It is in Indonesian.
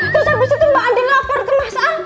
terus abis itu mbak andi lapor ke mas al